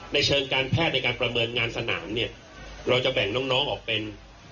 เชิงการแพทย์ในการประเมินงานสนามเนี่ยเราจะแบ่งน้องน้องออกเป็น